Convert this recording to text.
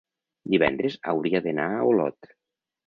divendres hauria d'anar a Olot.